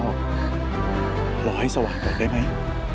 ขอให้สว่างก่อนได้ไหม